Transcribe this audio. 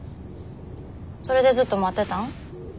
それでずっと待ってたん？